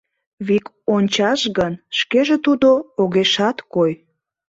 Вик ончаш гын, шкеже — Тудо — огешат кой.